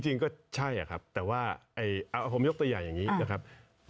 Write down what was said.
จริงก็ใช่ครับแต่ว่าผมยกตัวอย่างอย่างนี้นะครับ